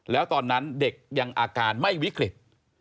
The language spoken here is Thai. แล้วตอนนั้นเด็กยังอาการไม่วิกฤต